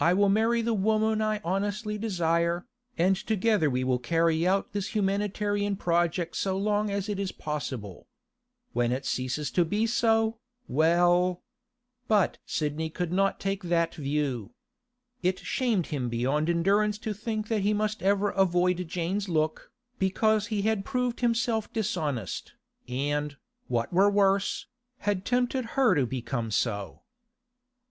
I will marry the woman I honestly desire, and together we will carry out this humanitarian project so long as it be possible. When it ceases to be so, well—.' But Sidney could not take that view. It shamed him beyond endurance to think that he must ever avoid Jane's look, because he had proved himself dishonest, and, what were worse, had tempted her to become so.